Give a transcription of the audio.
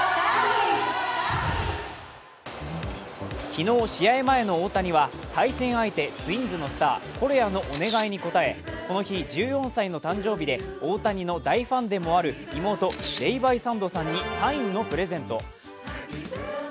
昨日、試合前の大谷は対戦相手、ツインズのスターコレアのお願いに応えこの日、１４歳の誕生日を迎えた大谷の大ファンでもある妹・レイバイサンドさんにサインのプレゼント。